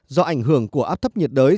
do ảnh hưởng của áp thấp nhiệt đới